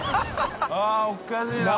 おかしいな。